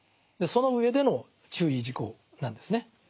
その上での注意事項なんですね。